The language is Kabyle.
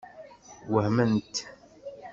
Wehment?